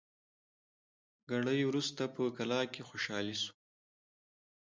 ګړی وروسته په کلا کي خوشالي سوه